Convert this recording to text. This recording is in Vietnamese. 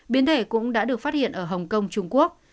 biến thể cũng đã được phát hiện ở hồng kông trung quốc